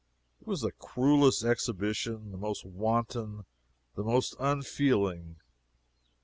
It was the cruelest exhibition the most wanton, the most unfeeling.